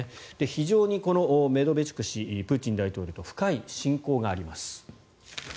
非常にこのメドベチュク氏プーチン大統領と深い親交があります。